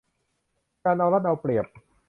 การเอารัดเอาเปรียบ